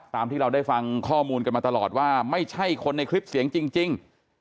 ตามที่เราได้ฟังข้อมูลกันมาตลอดว่าไม่ใช่คนในคลิปเสียงจริง